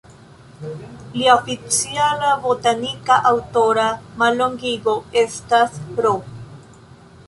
Lia oficiala botanika aŭtora mallongigo estas "R.